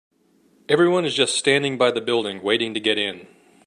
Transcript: Everyone is just standing by the building, waiting to get in.